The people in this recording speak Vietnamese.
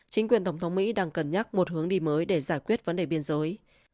chính quyền tổng thống mỹ đang cân nhắc một hướng đi mới để giải quyết vấn đề biên giới